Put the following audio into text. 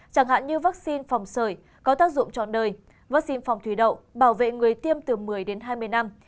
chẳng hạn như vaccine phòng sởi có tác dụng trọn đời vaccine phòng thủy đậu bảo vệ người tiêm từ một mươi đến hai mươi năm